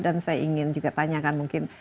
dan saya ingin juga tanyakan mungkin